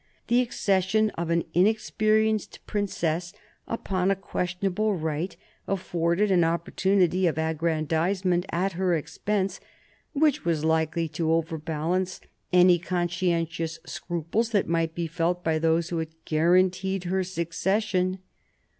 The accession of an inexperienced princess upon a question able right afforded an opportunity of aggrandisement at her expense, which was likely to overbalance any con scientious scruples that might be felt by those who had guaranteed her succession.